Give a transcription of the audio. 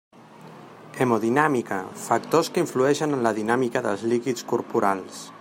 Hemodinàmica: factors que influïxen en la dinàmica dels líquids corporals.